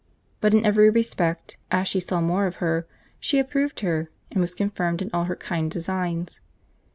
But in every respect, as she saw more of her, she approved her, and was confirmed in all her kind designs.